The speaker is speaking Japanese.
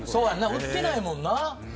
売ってないもんな。